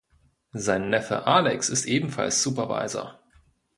Sein Neffe Alex ist ebenfalls Supervisor.